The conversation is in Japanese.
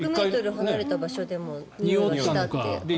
離れた場所でもにおいがしたって。